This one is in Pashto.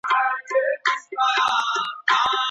په لاس لیکلنه د معلوماتو د تحلیل توان زیاتوي.